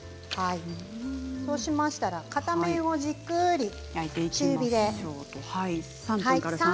そうしましたら片面をじっくり中火で。